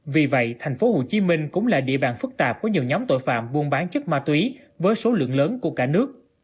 vì vậy tp hcm cũng là địa bàn phức tạp của nhiều nhóm tội phạm buôn bán chất ma túy với số lượng lớn của cả nước